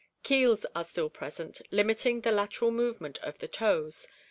Keels are still present, limiting the lateral movement of the toes.